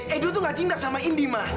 edo tuh gak cinta sama indi ma